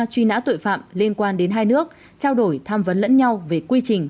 truy nã tội phạm liên quan đến hai nước trao đổi tham vấn lẫn nhau về quy trình